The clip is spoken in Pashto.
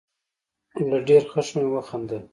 له ډېر خښم مې وخندل.